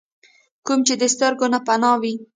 کوم چې د سترګو نه پناه وي ۔